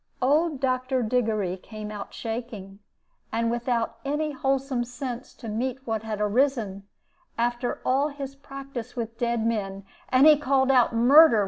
"Old Dr. Diggory came out shaking, and without any wholesome sense to meet what had arisen, after all his practice with dead men, and he called out 'Murder!'